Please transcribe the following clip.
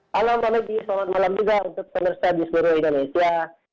halo mami selamat malam juga untuk penerja di seluruh indonesia